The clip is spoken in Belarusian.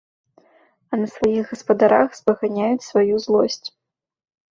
А на сваіх гаспадарах спаганяюць сваю злосць.